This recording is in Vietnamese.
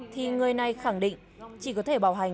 thế nên là bọn em đều nhận